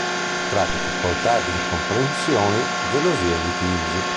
Tra difficoltà ed incomprensioni, gelosie e litigi.